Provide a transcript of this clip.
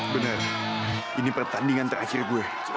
benar ini pertandingan terakhir gue